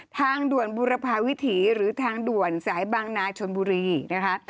ทางด่วนบุรพาวิถีหรือทางด่วนสายบางนาชนบุรีนะคะ